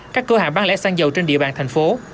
các cơ hạ bán lẽ xăng dầu trên địa bàn thành phố